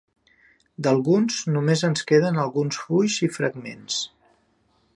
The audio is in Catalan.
D'alguns només en queden alguns fulls i fragments.